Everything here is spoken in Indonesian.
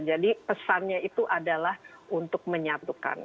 jadi pesannya itu adalah untuk menyatukan